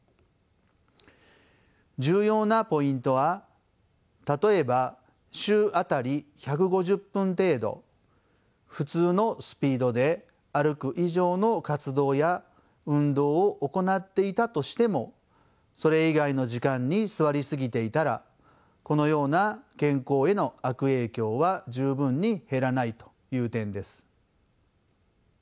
重要なポイントは例えば週当たり１５０分程度普通のスピードで歩く以上の活動や運動を行っていたとしてもそれ以外の時間に座りすぎていたらこのような健康への悪影響は十分に減らないという点です。